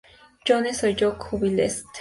Jones o John Havlicek.